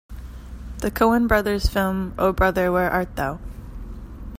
The Coen Brothers' film O Brother, Where Art Thou?